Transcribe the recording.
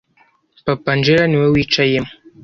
papa angella niwe wicayemo